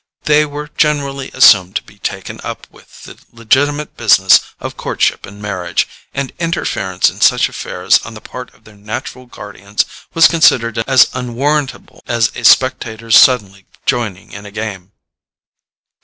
They were generally assumed to be taken up with the legitimate business of courtship and marriage, and interference in such affairs on the part of their natural guardians was considered as unwarrantable as a spectator's suddenly joining in a game.